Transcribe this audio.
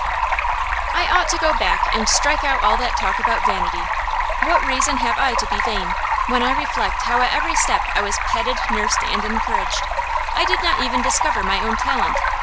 I ought to go back and strike out all that talk about vanity. What reason have I to be vain, when I reflect how at every step I was petted, nursed, and encouraged? I did not even discover my own talent.